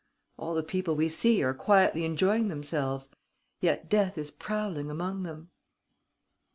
All the people we see are quietly enjoying themselves. Yet death is prowling among them."